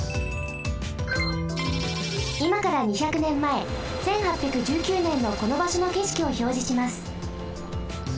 いまから２００ねんまえ１８１９ねんのこのばしょのけしきをひょうじします。